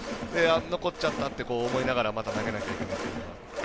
残っちゃったって思いながらまた投げなきゃいけない。